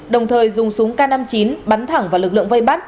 đồng thời dùng súng k năm mươi chín bắn thẳng vào lực lượng vây bắt